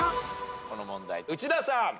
この問題内田さん。